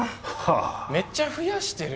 めっちゃ増やしてる